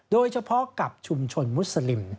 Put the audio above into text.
โดยเฉพาะกับชุมชนมุสลิม